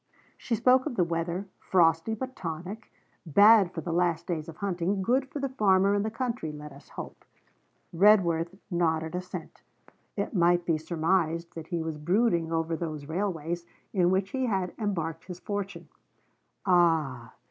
She spoke of the weather, frosty, but tonic; bad for the last days of hunting, good for the farmer and the country, let us hope. Redworth nodded assent. It might be surmised that he was brooding over those railways, in which he had embarked his fortune. Ah!